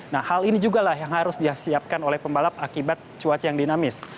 nah hal ini juga lah yang harus disiapkan oleh pembalap akibat cuaca yang dinamis